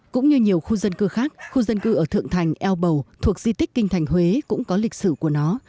cũng như nhiều khu dân cư khác khu dân cư ở thượng thành eo bầu thuộc di tích kinh thành huế cũng có lịch sử của nó